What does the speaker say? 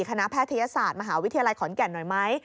แพทยศาสตร์มหาวิทยาลัยขอนแก่นหน่อยไหม